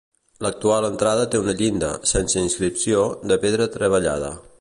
L'actual entrada té una llinda, sense inscripció, de pedra treballada.